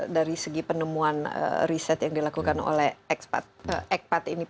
dari segi penemuan riset yang dilakukan oleh ekpat ini